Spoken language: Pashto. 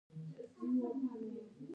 اوږده غرونه د افغان کلتور سره تړاو لري.